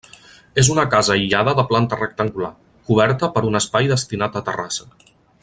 És una casa aïllada de planta rectangular, coberta per un espai destinat a terrassa.